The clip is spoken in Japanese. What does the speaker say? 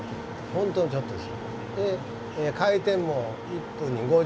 ほんとにちょっとです。